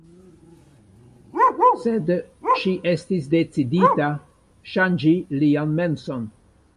Sed ŝi estis decidita ŝanĝi lian menson.